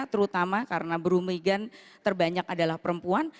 terutama karena buruh migran terbanyak adalah perempuan